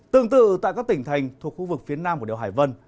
tương tự tại các tỉnh thành thuộc khu vực phía nam của đèo hải vân